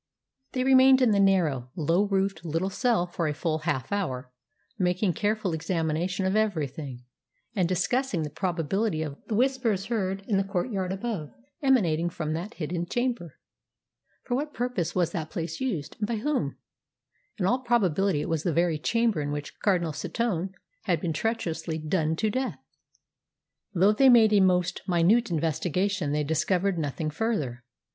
They remained in the narrow, low roofed little cell for a full half hour, making careful examination of everything, and discussing the probability of the Whispers heard in the courtyard above emanating from that hidden chamber. For what purpose was the place used, and by whom? In all probability it was the very chamber in which Cardinal Setoun had been treacherously done to death. Though they made a most minute investigation they discovered nothing further.